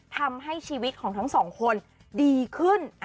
ทำให้ชีวิตของทั้งสองคนดีขึ้น